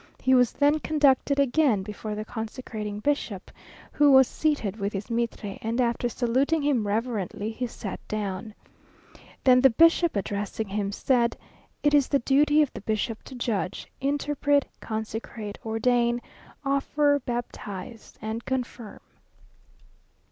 He was then conducted again before the consecrating bishop, who was seated with his mitre, and after saluting him reverently, he sat down. Then the bishop, addressing him said: "It is the duty of the bishop to judge, interpret, consecrate, ordain, offer, baptize, and confirm."